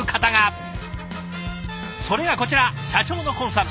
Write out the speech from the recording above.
それがこちら社長の今さん。